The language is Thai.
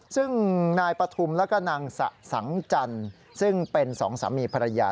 ซึ่งนายปฐุมแล้วก็นางสะสังจันทร์ซึ่งเป็นสองสามีภรรยา